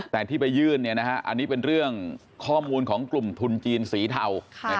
แต่ที่ไปยื่นอันนี้เป็นเรื่องข้อมูลของกลุ่มทุนจีนสีเทา